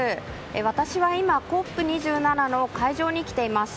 私は今、ＣＯＰ２７の会場に来ています。